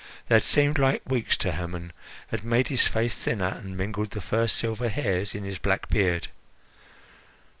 They had seemed like weeks to Hermon, had made his face thinner, and mingled the first silver hairs in his black beard.